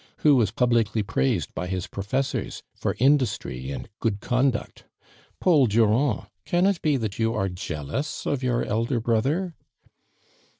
who was publicly prais od by liis i>rofessois for industry and good conduct? Paul Durand, can it be (h it vou are jealous of your elder brother